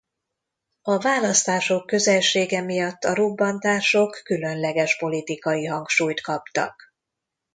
A választások közelsége miatt a robbantások különleges politikai hangsúlyt kaptak.